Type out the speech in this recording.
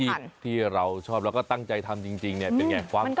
ทำอาชีพที่เราชอบแล้วก็ตั้งใจทำจริงเป็นไงความสำเร็จ